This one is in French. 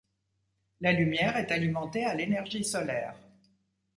La lumière est alimentée à l'énergie solaire.